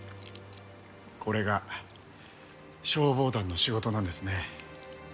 これが消防団の仕事なんですね。